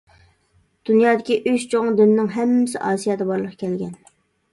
دۇنيادىكى ئۈچ چوڭ دىننىڭ ھەممىسى ئاسىيادا بارلىققا كەلگەن.